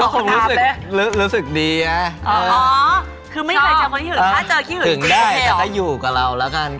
หึงได้แต่ก็อยู่กับเราละกัน